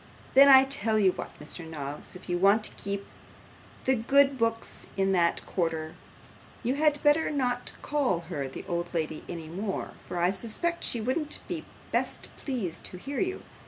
'Then I tell you what, Mr Noggs, if you want to keep in the good books in that quarter, you had better not call her the old lady any more, for I suspect she wouldn't be best pleased to hear you.